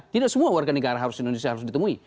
tidak semua warga negara harus indonesia harus ditemui